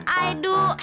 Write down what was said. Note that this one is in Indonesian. can i du